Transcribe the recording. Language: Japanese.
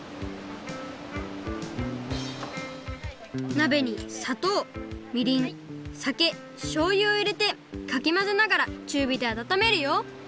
なべにさとうみりんさけしょうゆをいれてかきまぜながらちゅうびであたためるよ